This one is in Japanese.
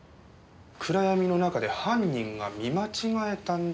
暗闇の中で犯人が見間違えたんだとしたら。